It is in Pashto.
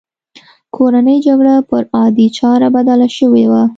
کورنۍ جګړه پر عادي چاره بدله شوې وه.